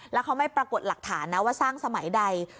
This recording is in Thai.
แล้วเขาไม่ปรากฏหลักฐานนะว่าสร้างสมัยใด